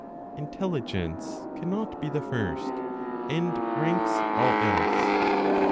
INTELLIGENCE CANNOT BE THE FIRST, AND RANKS ALL ELSE. 2.